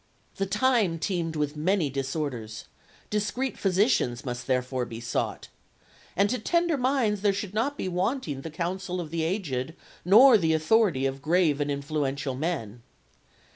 The time teemed with many disorders; discreet physicians must therefore be sought, and to tender minds there should not be wanting the counsel of the aged nor the authority of grave and influential men.